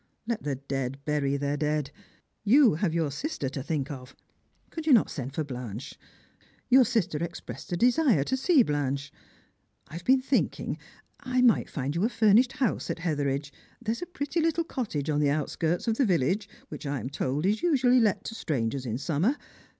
Let the dead bury their dead. You have your sister to think of. Could you not send for Blanche? Your sister expressed a desire to see Blanche. I have been thinking tliat I might find you a furnished house at Hetheridge ; there is a pretty little cottage on the outskirts of the village, which I am told is usually let to strangers in summer.